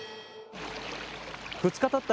２日たった